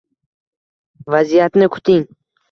vaziyatni kuting, “